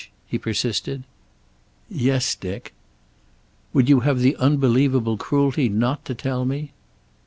he persisted. "Yes, Dick." "Would you have the unbelievable cruelty not to tell me?"